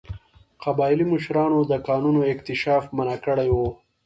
قبایلي مشرانو د کانونو اکتشاف منع کړی و.